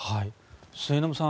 末延さん